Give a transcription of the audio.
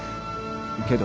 けど。